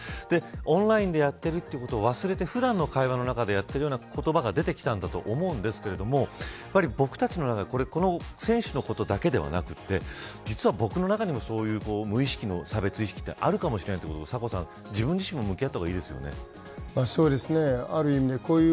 オンラインでやっているということ忘れて、普段の会話の中でやっているような言葉が出てきたんだと思うんですがやっぱり僕達の中でこの選手のことだけではなくて実は、僕の中にもそういう無意識の差別意識はあるかもしれないということをサコさん、自分自身も向き合った方がいいですよね。